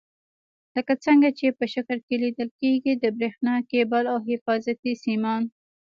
لکه څنګه چې په شکل کې لیدل کېږي د برېښنا کیبل او حفاظتي سیمان.